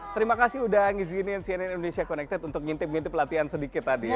terima kasih udah ngizinin cnn indonesia connected untuk ngintip ngintip latihan sedikit tadi